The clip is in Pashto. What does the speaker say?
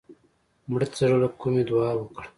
مړه ته د زړه له کومې دعا وکړه